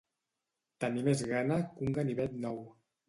Tenir més gana que un ganivet nou.